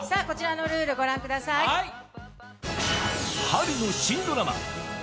こちらのルール御覧ください。